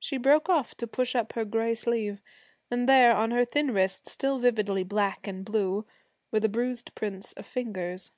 She broke off to push up her gray sleeve, and there on her thin wrist, still vividly black and blue, were the bruised prints of fingers.